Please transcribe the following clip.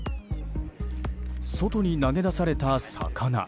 外に投げ出された魚。